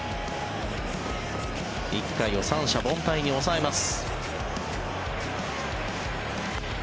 １回を三者凡退に抑えます。